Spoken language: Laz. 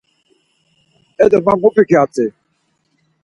E do, ma mu p̌iǩo hatzi.